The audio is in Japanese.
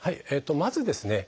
まずですね